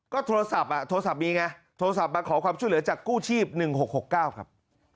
ก็โทรศัพท์อ่ะโทรศัพท์มีไงโทรศัพท์มาขอความช่วยเหลือจากกู้ชีพ๑๖๖๙ครับ